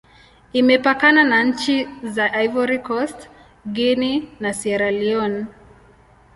Imepakana na nchi za Ivory Coast, Guinea, na Sierra Leone.